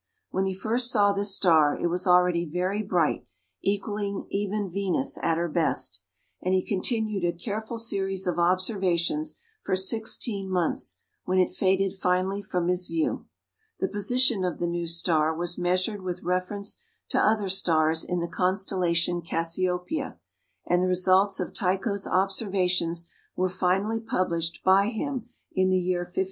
When he first saw this star, it was already very bright, equalling even Venus at her best; and he continued a careful series of observations for sixteen months, when it faded finally from his view. The position of the new star was measured with reference to other stars in the constellation Cassiopeia, and the results of Tycho's observations were finally published by him in the year 1573.